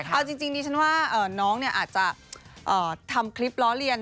เอาจริงดิฉันว่าน้องอาจจะทำคลิปล้อเลียน